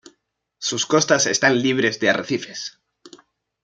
Sus costas están libres de arrecifes.